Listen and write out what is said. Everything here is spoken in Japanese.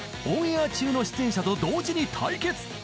オンエア中の出演者と同時に対決］